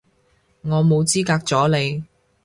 我冇資格阻你